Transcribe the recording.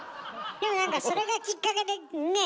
でも何かそれがきっかけでねえ？